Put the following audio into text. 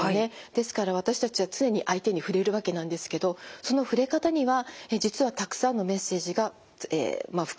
ですから私たちは常に相手に触れるわけなんですけどその触れ方には実はたくさんのメッセージが含まれているわけなんです。